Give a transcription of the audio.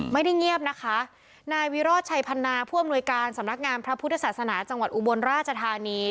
ไม่ได้เงียบนะคะนายวิโรธชัยพันนาผู้อำนวยการสำนักงานพระพุทธศาสนาจังหวัดอุบลราชธานี